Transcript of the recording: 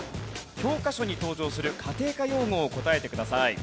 教科書に登場する家庭科用語を答えてください。